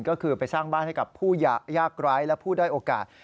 ก็คือไปสร้างบ้านให้กับผู้ยากร้ายและผู้ด้อยโอกาส